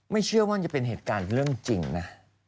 ไม่เชื่อว่ามันจะเป็นเหตุการณ์เรื่องจริงนะ